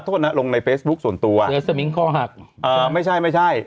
โทษนะลงในเฟซบุ๊คส่วนตัวเนื้อสมิงคอหักอ่าไม่ใช่ไม่ใช่